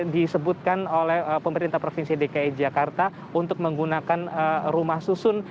disebutkan oleh pemerintah provinsi dki jakarta untuk menggunakan rumah susun